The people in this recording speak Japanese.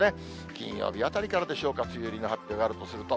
金曜日あたりからでしょうか、梅雨入りの発表があるとすると。